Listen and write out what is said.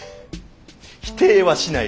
否定はしない。